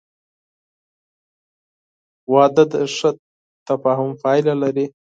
• واده د ښه تفاهم پایله لري.